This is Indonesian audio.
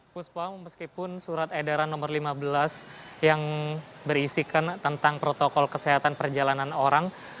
puspa meskipun surat edaran nomor lima belas yang berisikan tentang protokol kesehatan perjalanan orang